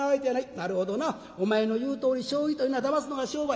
なるほどなお前の言うとおり娼妓というのはだますのが商売。